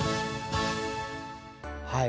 はい。